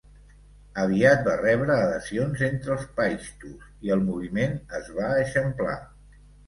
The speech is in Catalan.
Aviat va rebre adhesions entre els paixtus i el moviment es va eixamplar.